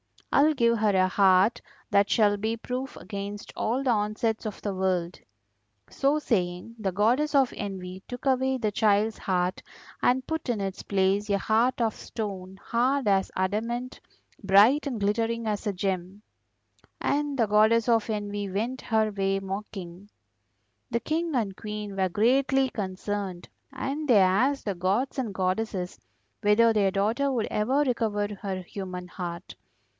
I will give her a heart that shall be proof against all the onsets of the world.' So saying the Goddess of Envy took away the child's heart and put in its place a heart of stone, hard as adamant, bright and glittering as a gem. And the Goddess of Envy went her way mocking. The King and Queen were greatly concerned, and they asked the gods and goddesses whether their daughter would ever recover her human heart.